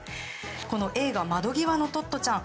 この映画「窓ぎわのトットちゃん」